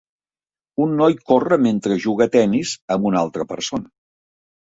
Un noi corre mentre juga a tenis amb una altra persona.